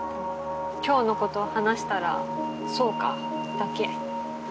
今日のことを話したら「そうか」だけ。